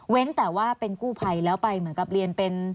แต่ว่าเป็นกู้ภัยแล้วไปเหมือนกับเรียนเป็น